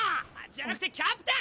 じゃなくてキャプテン！